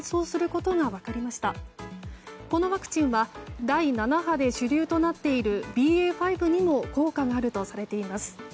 このワクチンは第７波で主流となっているＢＡ．５にも効果があるとされています。